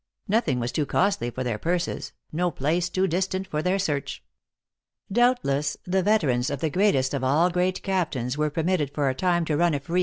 Nothing was too costly for their purses, no place too distant for their search. Doubtless, the veterans of the greatest of all great captains were permitted for a time to run a free THE ACTRESS IX HIGH LIFE.